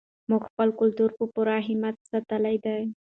موږ خپل کلتور په پوره همت ساتلی دی.